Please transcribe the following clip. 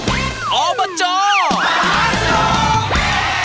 ว้าว